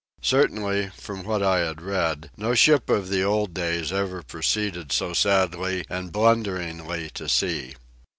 Certainly, from what I had read, no ship of the old days ever proceeded so sadly and blunderingly to sea.